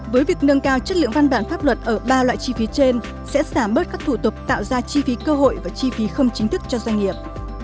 với việc nâng cao chất lượng văn bản pháp luật ở ba loại chi phí trên sẽ giảm bớt các thủ tục tạo ra chi phí cơ hội và chi phí không chính thức cho doanh nghiệp